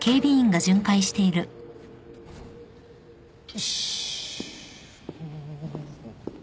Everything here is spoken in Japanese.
よし。